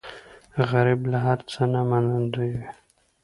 غریب له هر څه نه منندوی وي